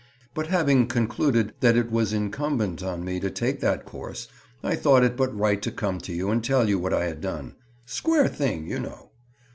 But having concluded that it was incumbent on me to take that course, I thought it but right to come to you and tell you what I had done. Square thing, you know."